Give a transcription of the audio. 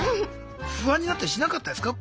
不安になったりしなかったですか？